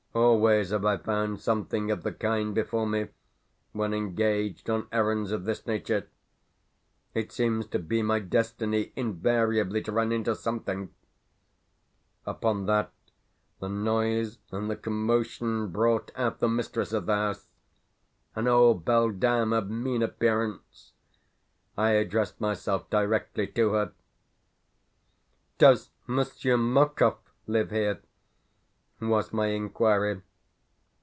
Always have I found something of the kind befall me when engaged on errands of this nature. It seems to be my destiny invariably to run into something. Upon that, the noise and the commotion brought out the mistress of the house an old beldame of mean appearance. I addressed myself directly to her: "Does Monsieur Markov live here?" was my inquiry.